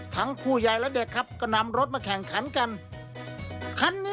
ผู้ใหญ่และเด็กครับก็นำรถมาแข่งขันกัน